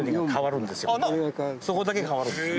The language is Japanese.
そこだけ変わるんです。